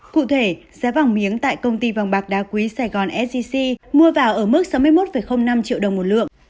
cụ thể giá vàng miếng tại công ty vàng bạc đá quý sài gòn sgc mua vào ở mức sáu mươi một năm triệu đồng một lượng